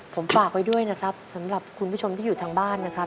ผมฝากไว้ด้วยนะครับสำหรับคุณผู้ชมที่อยู่ทางบ้านนะครับ